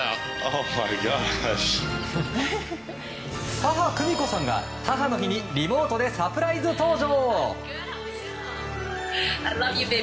母・久美子さんが母の日にリモートでサプライズ登場。